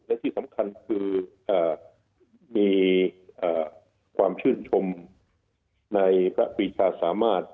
และที่สำคัญคือมีความชื่นชมในพระปีชาสามารถ